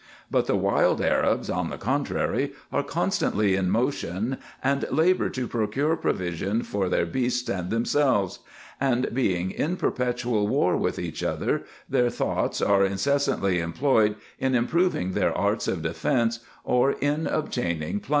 But the wild Arabs, on the contrary, are constantly in motion, and labour to procure provision for their beasts and themselves ; and being in perpetual war with each other, their thoughts are incessantly employed in improving their arts of defence, or in obtaining plunder.